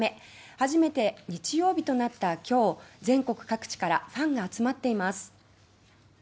初めて日曜日となった今日全国各地からファンが集まっています。